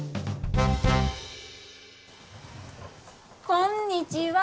こんにちは。